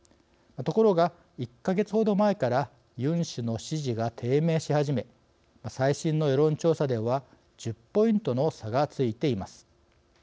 ところが１か月ほど前からユン氏の支持が低迷し始め最新の世論調査では１０ポイントの差がついています。